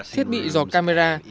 thiết bị dò camera